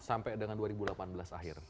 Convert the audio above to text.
sampai dengan dua ribu delapan belas akhir